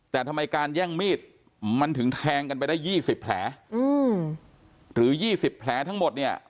แต่ทำไมการแย่งมีดมันถึงแทงกันไปได้ยี่สิบแผลอืมหรือยี่สิบแผลทั้งหมดเนี้ย